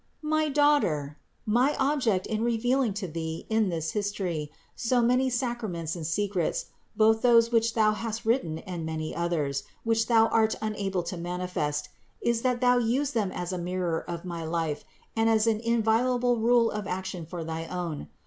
414. My daughter, my object in revealing to thee in this history so many sacraments and secrets, both those which thou hast written and many others, which thou art unable to manifest, is, that thou use them as a mirror of my life and as an inviolable rule of action for thy own.